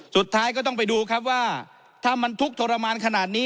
สุดท้ายก็ต้องไปดูครับว่าถ้ามันทุกข์ทรมานขนาดนี้